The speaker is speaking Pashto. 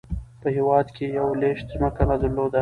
په هیواد کې یې لویشت ځمکه نه درلوده.